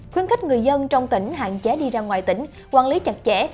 khuyến khích người dân trong tỉnh hạn chế đi ra ngoài tỉnh quản lý chặt chẽ